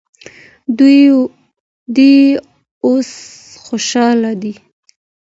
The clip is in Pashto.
دوی اوس خوشحاله دي.